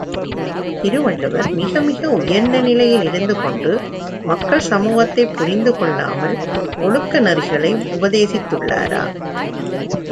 திருவள்ளுவர் மிக மிக உயர்ந்த நிலையில் இருந்து கொண்டு மக்கள் சமூகத்தைப் புரிந்துகொள்ளாமல் ஒழுக்க நெறிகளை உபதேசித்துள்ளாரா?